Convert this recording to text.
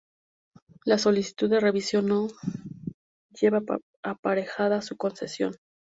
La solicitud de revisión no llevaba aparejada su concesión.